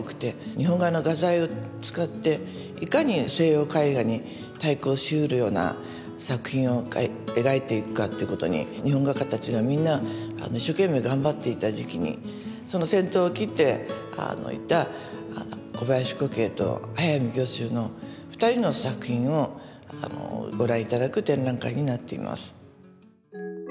日本画の画材を使っていかに西洋絵画に対抗しうるような作品を描いていくかっていうことに日本画家たちがみんな一生懸命頑張っていた時期にその先頭を切っていた小林古径と速水御舟の二人の作品をご覧頂く展覧会になっています。